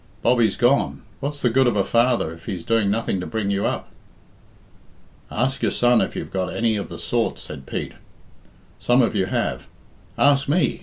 "Bobbie's gone. What's the good of a father if he's doing nothing to bring you up?" "Ask your son if you've got any of the sort," said Pete; "some of you have. Ask me.